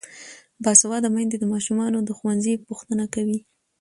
باسواده میندې د ماشومانو د ښوونځي پوښتنه کوي.